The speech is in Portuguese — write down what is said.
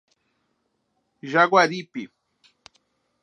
Jaguaripe